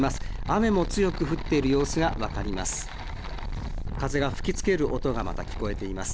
雨も強く降っている様子が分かります。